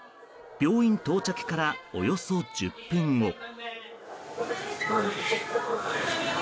病院到着からおよそ１０分後。